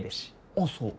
あっそう？